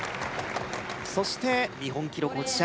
そして日本記録保持者